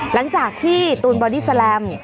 หลังจากที่ตูนบอดี้แลม